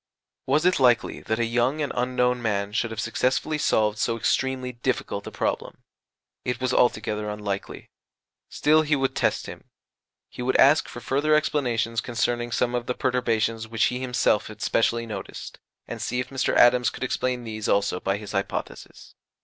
Was it likely that a young and unknown man should have successfully solved so extremely difficult a problem? It was altogether unlikely. Still, he would test him: he would ask for further explanations concerning some of the perturbations which he himself had specially noticed, and see if Mr. Adams could explain these also by his hypothesis.